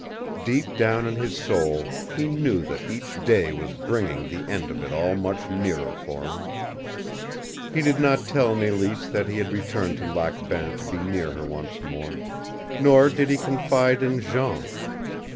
Deep down in his soul he knew that each day was bringing the end of it all much nearer for him. He did not tell Mélisse that he had returned to Lac Bain to be near her once more, nor did he confide in Jean.